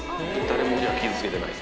誰も傷つけてない。